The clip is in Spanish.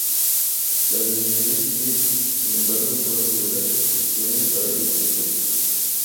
La Administración Civil, sin embargo, impone severas restricciones a la edificación.